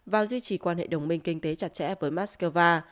và duy trì quan hệ đồng minh kinh tế chặt chẽ với moscow